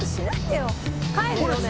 「帰るよねえ」